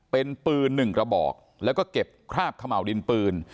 เป็นปืนหนึ่งกระบอกแล้วก็เก็บคราบขม่าวดินปืน